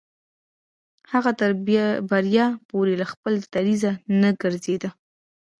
هغه تر بريا پورې له خپل دريځه نه ګرځېده.